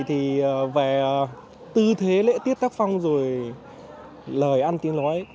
thì về tư thế lễ tiết tác phong rồi lời ăn tiếng nói ấy